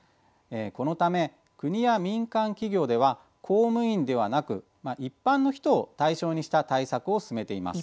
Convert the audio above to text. このため、国や民間企業では公務員ではなく一般の人を対象にした対策を進めています。